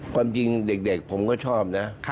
ความจริงเด็กผมก็ชอบนะ